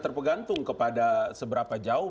terpegantung kepada seberapa jauh